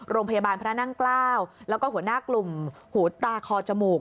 พระนั่งเกล้าแล้วก็หัวหน้ากลุ่มหูตาคอจมูก